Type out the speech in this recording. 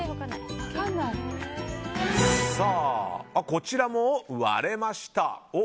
こちらも割れました。